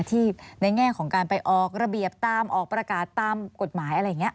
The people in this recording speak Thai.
ที่ในแง่ของการไปออกระเบียบตามออกประกาศตามกฎหมายอะไรอย่างนี้